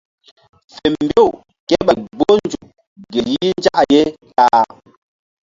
Fe mbew kéɓay gboh nzuk gel yih nzak ye ta-a.